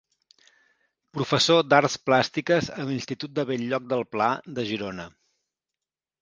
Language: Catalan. Professor d'arts plàstiques a l'Institut de Bell-lloc del Pla de Girona.